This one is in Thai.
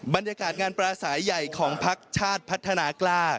บรรยากาศงานปลาสายใหญ่ของพักชาติพัฒนากล้า